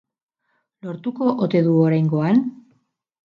Lortuko ote du oraingoan?